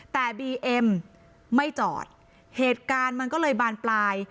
แต่บีเอ็มไม่จอดเหตุการณ์มันก็เลยบานปลาย